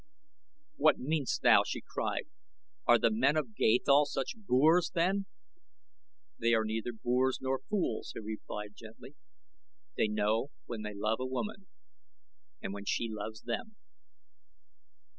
"What meanest thou?" she cried. "Are the men of Gathol such boors, then?" "They are neither boors nor fools," he replied, quietly. "They know when they love a woman and when she loves them."